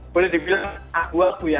boleh dibilang agua guya